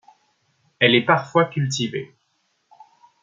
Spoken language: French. Elle est parfois cultivée.